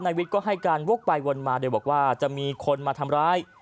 วิทย์ก็ให้การวกไปวนมาโดยบอกว่าจะมีคนมาทำร้าย